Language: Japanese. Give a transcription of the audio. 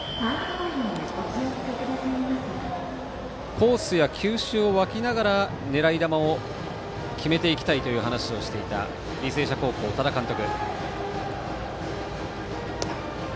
コースや球種を分けながら狙い球を決めていきたいという話をしていた履正社高校多田監督。